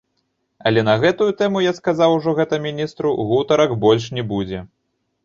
Але на гэтую тэму, я сказаў ужо гэта міністру, гутарак больш не будзе.